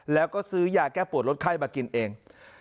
แล้วก็ซื้อยาแก้ปวดลดไข้มากินเอง